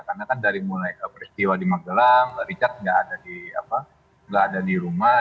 karena kan dari mulai peristiwa di magelang richard tidak ada di rumah